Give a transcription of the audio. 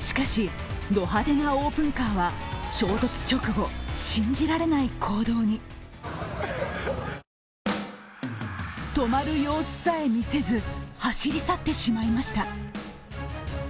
しかし、ド派手なオープンカーは衝突直後、信じられない行動に止まる様子さえ見せず走り去ってしまいました。